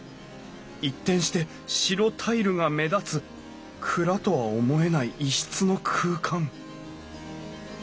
一転して白タイルが目立つ蔵とは思えない異質の空間